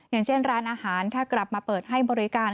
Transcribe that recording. อย่างเช่นร้านอาหารถ้ากลับมาเปิดให้บริการ